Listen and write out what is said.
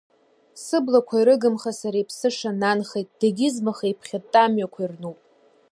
Сыблақәа ирыгымхеи, сара иԥсыша, нанхеит, дегьызмаха еиԥхьытта амҩақәа ирнуп…